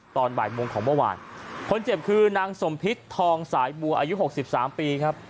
ตอนบ่ายโมงของเมื่อวานคนเจ็บคือนางสมพิษทองสายบัวอายุหกสิบสามปีครับ